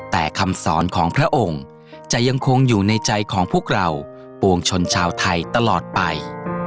แต่คำสอนของพระองค์จะยังคงอยู่ในใจของพวกเราปวงชนชาวไทยตลอดไป